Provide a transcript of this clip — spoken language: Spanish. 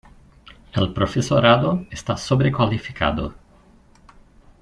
El profesorado está sobrecualificado.